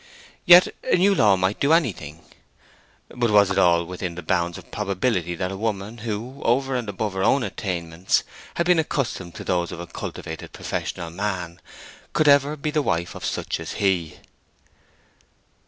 Yet a new law might do anything. But was it at all within the bounds of probability that a woman who, over and above her own attainments, had been accustomed to those of a cultivated professional man, could ever be the wife of such as he?